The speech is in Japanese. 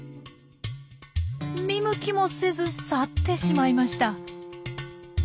見向きもせず去ってしまいました。